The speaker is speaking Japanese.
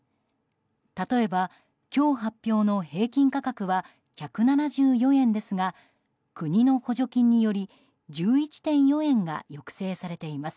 例えば、今日発表の平均価格は１７４円ですが国の補助金により１１．４円が抑制されています。